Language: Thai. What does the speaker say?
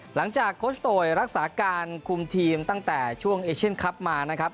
โคชโตยรักษาการคุมทีมตั้งแต่ช่วงเอเชียนคลับมานะครับ